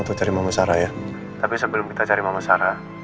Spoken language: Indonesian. untuk cari mama sara ya tapi sebelum kita cari mama sara